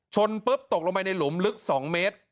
ปุ๊บตกลงไปในหลุมลึก๒เมตร